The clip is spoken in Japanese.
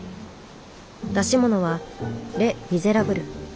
出し物は「レ・ミゼラブル」。